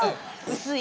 薄い。